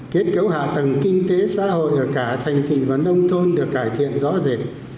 kết cấu hạ tầng kinh tế xã hội ở cả thành thị và nông thôn được cải thiện rõ rệt